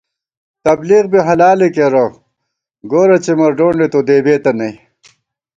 تبلیغ بی حلالے کېرہ گورہ څِمر ڈونڈے تو دېبېتہ نئ